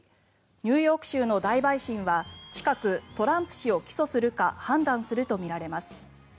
ニューヨーク州の大陪審は近くトランプ氏を起訴するか判断するとみられます。